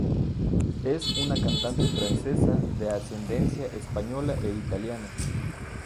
Es una cantante francesa de ascendencia española e italiana.